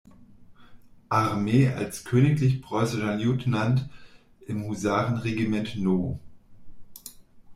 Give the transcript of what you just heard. Armee als Königlich preußischer Lieutenant im Husarenregiment No.